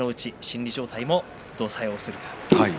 理状態もどう作用するか。